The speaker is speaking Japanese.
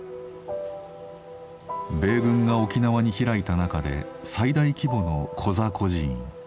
米軍が沖縄に開いた中で最大規模のコザ孤児院。